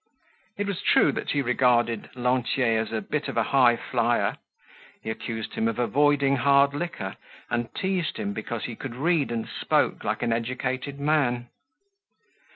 It was true that he regarded Lantier as a bit of a high flyer. He accused him of avoiding hard liquor and teased him because he could read and spoke like an educated man.